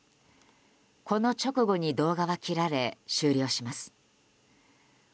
この直後に動画は切られ終了します。